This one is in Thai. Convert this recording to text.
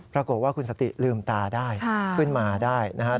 ปรากฏว่าคุณสติลืมตาได้ขึ้นมาได้นะครับ